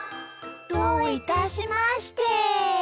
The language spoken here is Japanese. どういたしまして。